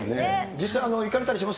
実際、行かれたりします？